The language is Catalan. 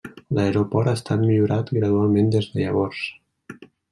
L'aeroport ha estat millorat gradualment des de llavors.